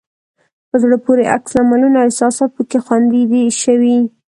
په زړه پورې عکس العملونه او احساسات پکې خوندي شوي.